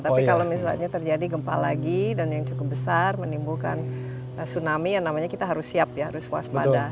tapi kalau misalnya terjadi gempa lagi dan yang cukup besar menimbulkan tsunami yang namanya kita harus siap ya harus waspada